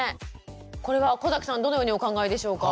これは小さんどのようにお考えでしょうか？